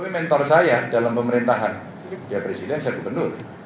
mentor saya dalam pemerintahan dia presiden saya gubernur